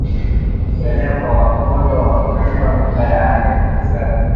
Kuenea kwa ugonjwa wa kutupa mimba yaani Brusela